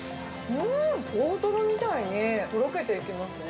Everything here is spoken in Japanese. うーん。大トロみたいにとろけていきますね。